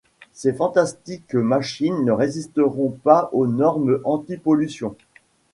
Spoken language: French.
Ces fantastiques machines ne résisteront pas aux normes antipollution.